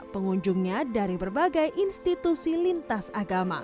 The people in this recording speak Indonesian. pengunjungnya dari berbagai institusi lintas agama